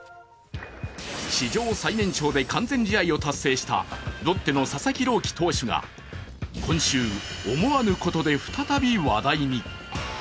史上最年少で完全試合を達成したロッテの佐々木朗希投手が今週、思わぬことで、再び話題に。